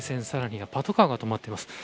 さらにはパトカーが止まっています。